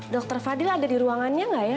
dokter fadil ada di ruangannya nggak ya